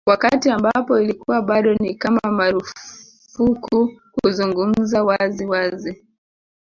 Wakati ambapo ilikuwa bado ni kama marufuku kuzungumza wazi wazi